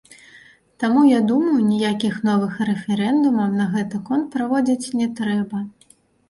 Таму, я думаю, ніякіх новых рэферэндумаў на гэты конт праводзіць не трэба.